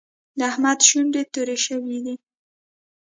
د احمد شونډې تورې شوې دي.